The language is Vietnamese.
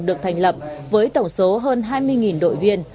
được thành lập với tổng số hơn hai mươi đội viên